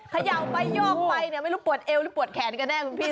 เขย่าไปยอกไปเนี่ยไม่รู้ปวดเอวหรือปวดแขนกันแน่คุณพี่